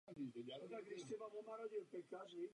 Máme k dispozici směrnici o minimálních normách.